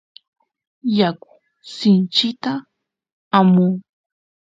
yaku sinchita amun